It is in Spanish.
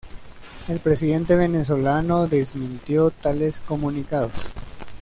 El presidente venezolano desmintió tales comunicados.